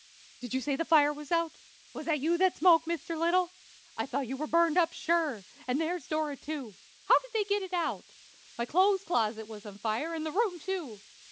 "Did you say the fire was out? Was that you that spoke, Mr. Little? I thought you were burned up, sure; and there's Dora, too. How did they get it out? My clothes closet was on fire, and the room, too!